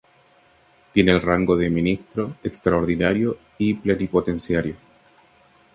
Tiene el rango del Ministro Extraordinario y Plenipotenciario.